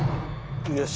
よし！